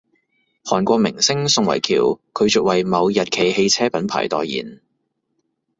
韓國明星宋慧喬拒絕爲某日企汽車品牌代言